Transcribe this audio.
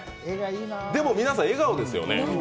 でも、皆さん笑顔ですよね。